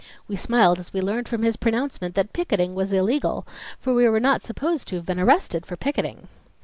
We smiled as we learned from his pronouncement that "picketing" was "illegal," for we were not supposed to have been arrested for picketing.